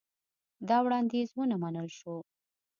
دا وړاندیز ونه منل شو.